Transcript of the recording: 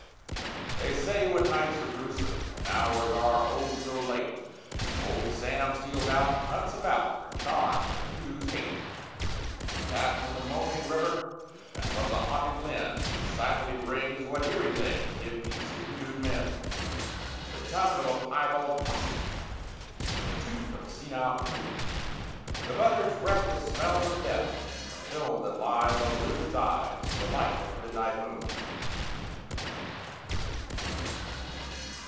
_ They say when nights are grewsome And hours are, oh! so late, Old Sam steals out And hunts about For charms that hoodoos hate! That from the moaning river And from the haunted glen He silently brings what eerie things Give peace to hoodooed men: _The tongue of a piebald 'possum, The tooth of a senile 'coon, The buzzard's breath that smells of death, And the film that lies On a lizard's eyes In the light of a midnight moon!